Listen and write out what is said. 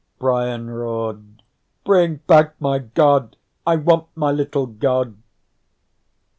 Brian roared: "Bring back my god! I want my little god!"